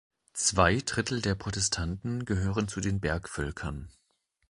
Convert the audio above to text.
Zwei Drittel der Protestanten gehören zu den Bergvölkern.